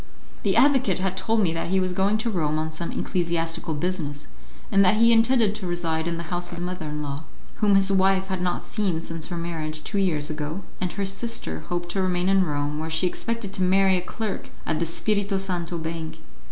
The advocate had told me that he was going to Rome on some ecclesiastical business, and that he intended to reside in the house of his mother in law, whom his wife had not seen since her marriage, two years ago, and her sister hoped to remain in Rome, where she expected to marry a clerk at the Spirito Santo Bank.